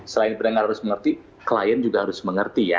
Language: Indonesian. selain berdengar harus mengerti klien juga harus mengerti ya